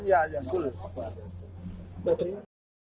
hanya ibadahnya cvr nya saja